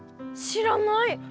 知らない？